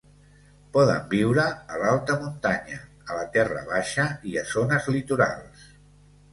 Poden viure a l'alta muntanya, a la terra baixa i a zones litorals.